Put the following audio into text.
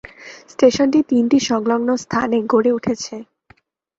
স্টেশনটি তিনটি সংলগ্ন স্থানে গড়ে উঠেছে।